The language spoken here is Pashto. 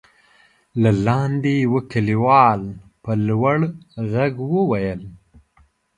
له لاندې يوه کليوال په لوړ غږ وويل: